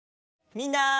みんな。